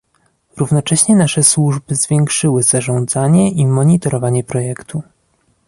Równocześnie nasze służby zwiększyły zarządzanie i monitorowanie projektu